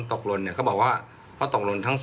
อันนี้คือหมายความถึง